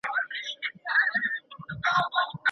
چارمغز بې ماتولو نه خوړل کېږي.